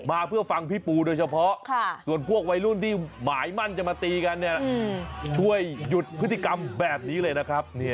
มาเพื่อฟังพี่ปูโดยเฉพาะส่วนพวกวัยรุ่นที่หมายมั่นจะมาตีกันเนี่ยช่วยหยุดพฤติกรรมแบบนี้เลยนะครับ